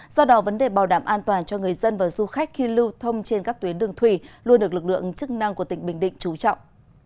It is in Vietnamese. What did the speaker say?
do đó vấn đề bảo đảm an toàn cho người dân và du khách khi lưu thông trên các tuyến đường thủy luôn được lực lượng chức năng của tỉnh bình định trú trọng